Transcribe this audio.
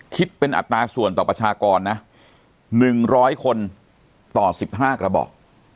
คิดเป็นอัตราส่วนต่อประชากรนะ๑๐๐คนต่อ๑๕กระบอก